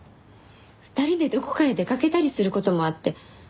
２人でどこかへ出かけたりする事もあって。